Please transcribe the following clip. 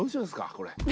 これ。